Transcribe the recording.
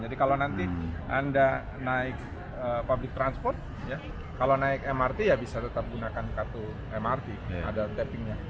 jadi kalau nanti anda naik public transport kalau naik mrt ya bisa tetap gunakan kartu mrt ada tappingnya